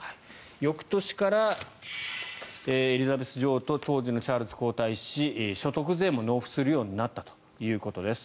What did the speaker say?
翌年からエリザベス女王と当時のチャールズ皇太子所得税も納付するようになったということです。